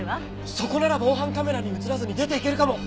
そこなら防犯カメラに映らずに出て行けるかも。